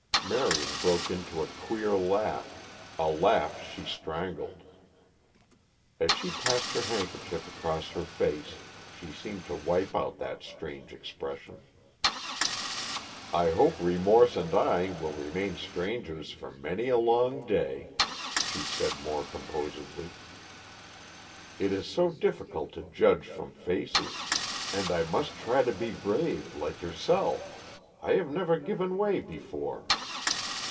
Marion broke into a queer laugh, a laugh she strangled. As she passed her handkerchief across her face she seemed to wipe out that strange expression. "I hope remorse and I will remain strangers for many a long day," she said more composedly. "It is so difficult to judge from faces. And I must try to be brave like yourself. I have never given way before."